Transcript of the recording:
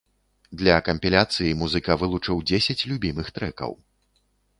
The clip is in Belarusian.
Для кампіляцыі музыка вылучыў дзесяць любімых трэкаў.